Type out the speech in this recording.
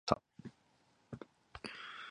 朝ごはんはパンを食べました。